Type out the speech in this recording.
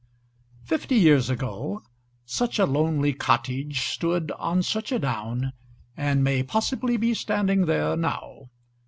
Fifty years ago such a lonely cottage stood on such a down, and may possibly be standing there now.